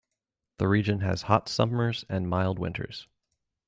The region has hot summers and mild winters.